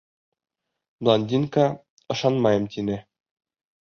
Блондинка, ышанмайым, тине.